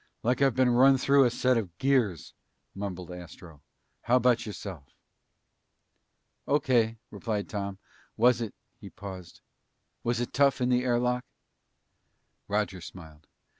"Like I've been run through a set of gears," mumbled Astro. "How about yourself?" "O.K.," replied Tom. "Was it" he paused "was it tough in the air lock?" Roger smiled.